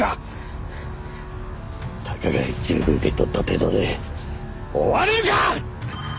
たかが１億受け取った程度で終われるか！